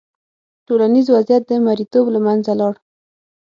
ټولنیز وضعیت د مریتوب له منځه لاړ.